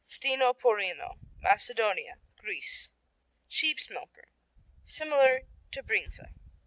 Ftinoporino Macedonia, Greece Sheep's milker similar to Brinza.